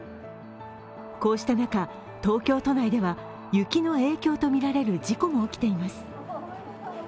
こうした中、東京都内では雪の影響とみられる事故も起きています。